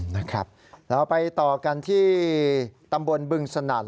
นะครับเราไปต่อกันที่ตำบลบึงสนั่น